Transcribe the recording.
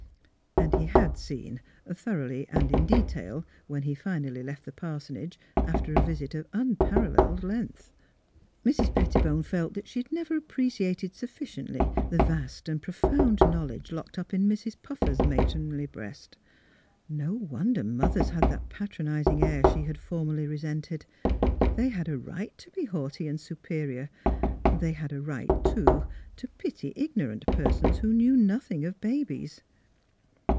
" And he had seen, thoroughly and in detail, when he finally left the parsonage, after a visit of un paralleled length. Mrs. Pettibone felt that she had never appreciated sufficiently the vast and profound knowledge locked up in Mrs. Puffer's 316 THE HEART OF PHILUEA matronly breast. No wonder mothers had that patronising air she had formerly resented. They had a right to be haughty and superior. They had a right, too, to pity ignorant persons who knew nothing of babies.